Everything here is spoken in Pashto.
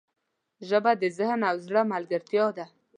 ژبه د ذهن او زړه ملګرتیا ده